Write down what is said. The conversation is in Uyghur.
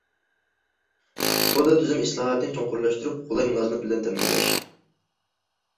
سودا تۈزۈمى ئىسلاھاتىنى چوڭقۇرلاشتۇرۇپ، قولاي مۇلازىمەت بىلەن تەمىنلەش.